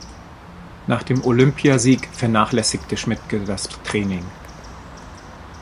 Nach dem Olympiasieg vernachlässigte Schmidtke das Training.